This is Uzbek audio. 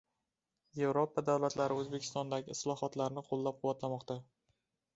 Yevropa davlatlari O‘zbekistondagi islohotlarni qo‘llab-quvvatlamoqda